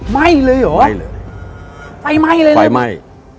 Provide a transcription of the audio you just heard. ไหม้เลยเหรอไฟไหม้เลยหรือเปล่าไฟไหม้